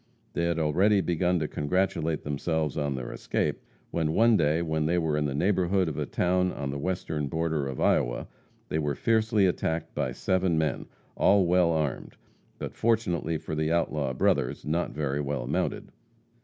They had already begun to congratulate themselves on their escape, when one day when they were in the neighborhood of a town on the western border of Iowa, they were fiercely attacked by seven men, all well armed, but, fortunately for the outlaw brothers, not very well mounted.